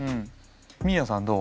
みーやさんどう？